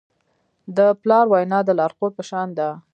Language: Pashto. د پلار وینا د لارښود په شان ده.